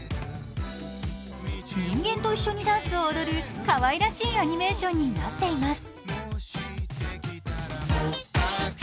人間と一緒にダンスを踊るかわいらしいアニメーションになっています。